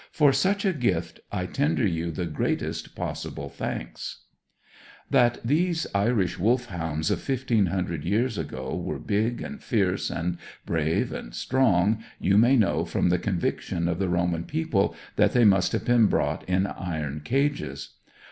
For such a gift, I tender you the greatest possible thanks." That these Irish Wolfhounds of fifteen hundred years ago were big and fierce, and brave and strong, you may know from the conviction of the Roman people that they must have been brought in iron cages.